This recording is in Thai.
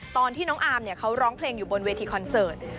ตอนที่น้องอาร์มเขาร้องเพลงอยู่บนเวทีคอนเสิร์ต